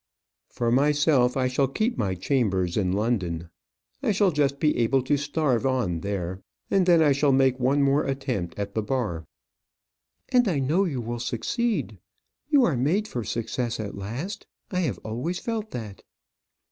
"For myself, I shall keep my chambers in London. I shall just be able to starve on there; and then I shall make one more attempt at the bar." "And I know you will succeed. You are made for success at last; I have always felt that."